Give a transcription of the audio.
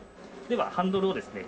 ではハンドルをですね